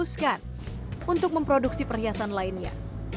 masikot juga memutuskan untuk memproduksi perhiasan lainnya